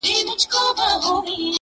حیا مي ژبه ګونګۍ کړې ده څه نه وایمه!